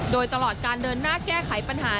โดยตลอดการเดินหน้าแก้ไขปัญหา